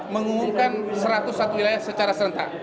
mengumumkan seratus satu wilayah secara serentak